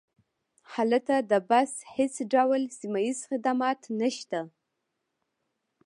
هلته د بس هیڅ ډول سیمه ییز خدمات نشته